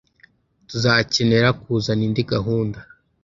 Tuzakenera kuzana indi gahunda